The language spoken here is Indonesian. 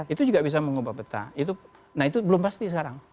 itu juga bisa mengubah peta nah itu belum pasti sekarang